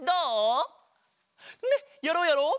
ねっやろうやろう！